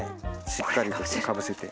しっかりとかぶせて。